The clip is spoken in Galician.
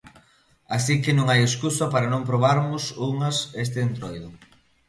Así que non hai escusa para non probarmos unhas este Entroido.